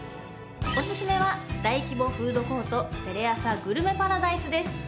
おすすめは大規模フードコートテレアサグルメパラダイスです。